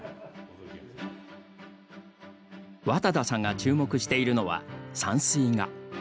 綿田さんが注目しているのは山水画。